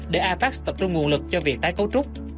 để apac tập trung nguồn lực cho việc tái cấu trúc